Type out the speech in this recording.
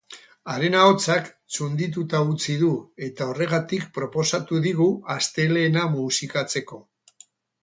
Haren ahotsak txundituta utzi du, eta horregatik proposatu digu astelehena musikatzeko.